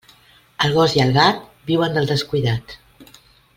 El gos i el gat viuen del descuidat.